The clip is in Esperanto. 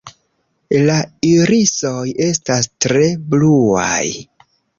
La irisoj estas tre bluaj.